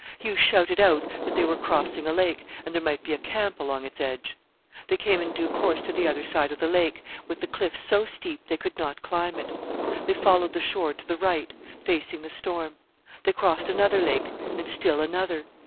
Hugh shouted out that they were crossing a lake, and there might be a camp along its edge. They came in due course to the other side of the lake, with the cliff so steep they could not climb it. They followed the shore to the right, facing the storm. They crossed another lake, and still another.